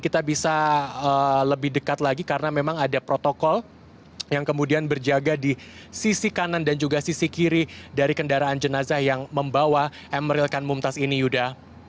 kita bisa lebih dekat lagi karena memang ada protokol yang kemudian berjaga di sisi kanan dan juga sisi kiri dari kendaraan jenazah yang membawa emeril kan mumtaz ini yuda